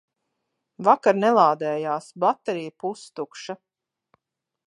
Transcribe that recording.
Vakar nelādējās, baterija pustukša.